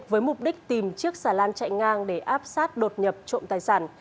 với mục đích tìm chiếc xà lan chạy ngang để áp sát đột nhập trộm tài sản